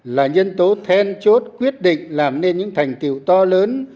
là nhân tố then chốt quyết định làm nên những thành tiệu to lớn